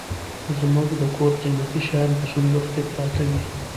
زموږ د کور قيمتي شيان په صندوخ کي پراته وي.